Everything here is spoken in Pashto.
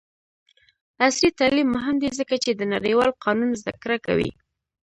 عصري تعلیم مهم دی ځکه چې د نړیوال قانون زدکړه کوي.